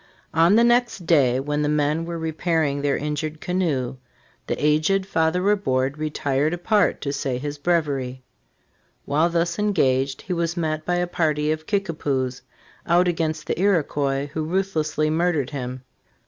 On the next day, when the men were repairing their injured canoe, the aged Fathej Ri bourde retired apart to say his breviary. While thus engaged, he was met by a party of Kickapoos, out against the Iroquois, who ruthlessly murdered him.